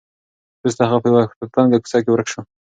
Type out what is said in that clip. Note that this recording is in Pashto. وروسته هغه په یوه تنګه کوڅه کې ورک شو.